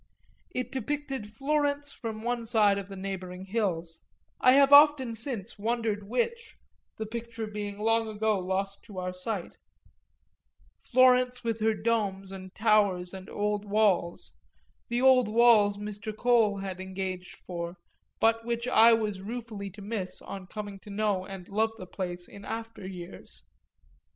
It depicted Florence from one of the neighbouring hills I have often since wondered which, the picture being long ago lost to our sight; Florence with her domes and towers and old walls, the old walls Mr. Cole had engaged for, but which I was ruefully to miss on coming to know and love the place in after years.